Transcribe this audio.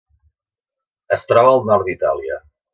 Es troba al nord d'Itàlia.